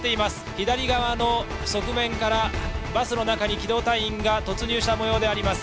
左側の側面からバスの中に機動隊員が突入したもようです。